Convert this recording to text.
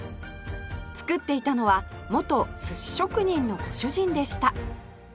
作っていたのは元すし職人のご主人でした